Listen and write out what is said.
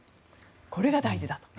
これが大事だと。